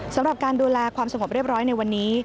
สำหรับการดูแลความสงบเรียบร้อยในวันนี้